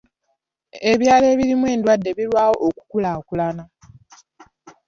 Ebyalo ebirimu endwadde birwawo okukulaakulana.